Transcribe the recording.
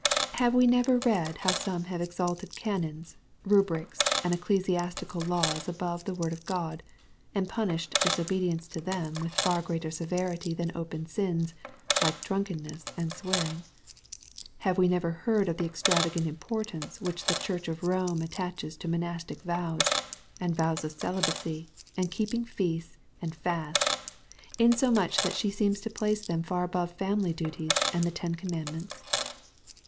Have we never read how some have exalted canons, rubrics, and ecclesiastical laws above the word of God, and punished disobedience to them with far greater severity than open sins, like drunkenness and swear ing? — Have we never heard of the extravagant im portance which the Church of Home attaches to monastic vows, and vows of celibacy, and keeping feasts and &sts ; insomuch that she seems to place them far above family duties, and the ten commandments